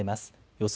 予想